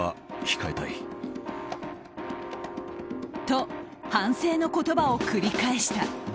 と、反省の言葉を繰り返した。